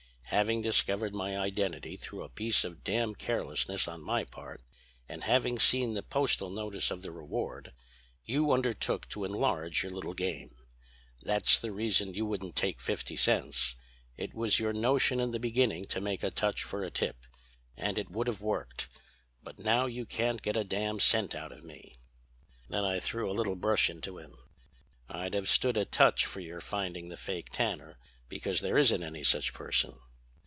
Having discovered my identity through a piece of damned carelessness on my part, and having seen the postal notice of the reward, you undertook to enlarge your little game. That's the reason you wouldn't take fifty cents. It was your notion in the beginning to make a touch for a tip. And it would have worked. But now you can't get a damned cent out of me.' Then I threw a little brush into him: 'I'd have stood a touch for your finding the fake tanner, because there isn't any such person.'